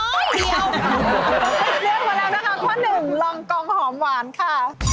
เลือกมาแล้วนะคะข้อหนึ่งลองกองหอมหวานค่ะ